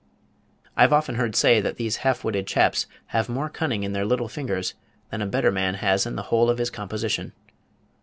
"I've often heard say that these half witted chaps have more cunning in their little fingers than a better man has in the whole of his composition.